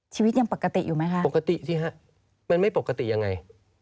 ชีวิตยังปกติอยู่ไหมคะปกติสิฮะมันไม่ปกติยังไง